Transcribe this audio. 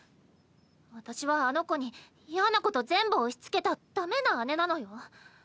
私はあの子に嫌なこと全部押しつけたダメな姉なのよ。